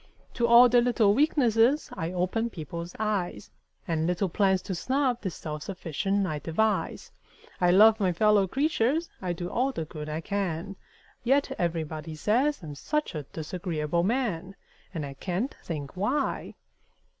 To all their little weaknesses I open people's eyes And little plans to snub the self sufficient I devise; I love my fellow creatures I do all the good I can Yet everybody say I'm such a disagreeable man! And I can't think why!